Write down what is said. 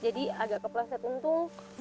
jadi agak keklaset untuk